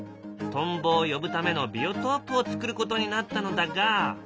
トンボを呼ぶためのビオトープをつくることになったのだが。